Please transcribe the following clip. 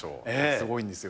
すごいんですよ。